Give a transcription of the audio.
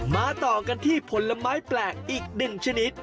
มาต่อกันที่ผลไม้แปลกอีกหนึ่งชนิด